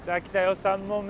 ３問目。